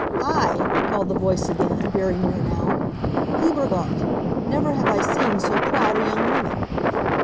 "Hi!" called the voice again, very near now. "Lieber Gott! Never have I seen so proud a young woman!"